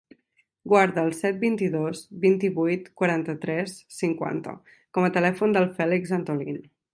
Guarda el set, vint-i-dos, vint-i-vuit, quaranta-tres, cinquanta com a telèfon del Fèlix Antolin.